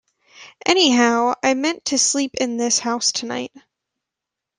Anyhow I meant to sleep in this house tonight.